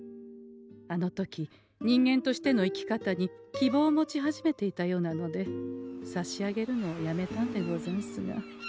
あの時人間としての生き方に希望を持ち始めていたようなので差し上げるのをやめたんでござんすが。